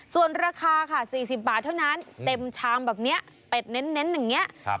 ส่วนราคาค่ะสี่สิบบาทเท่านั้นเต็มชามแบบเนี้ยเป็ดเน้นเน้นอย่างเงี้ยครับ